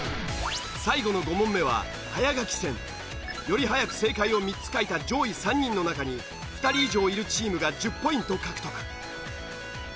最後の５問目は早書き戦。より早く正解を３つ書いた上位３人の中に２人以上いるチームが１０ポイント獲得。